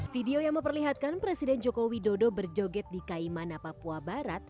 video yang memperlihatkan presiden joko widodo berjoget di kaimana papua barat